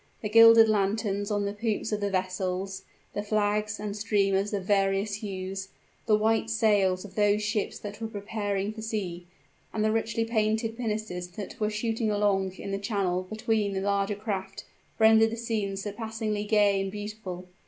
The gilded lanterns on the poops of the vessels the flags and streamers of various hues the white sails of those ships that were preparing for sea and the richly painted pinnaces that were shooting along in the channel between the larger craft rendered the scene surpassingly gay and beautiful.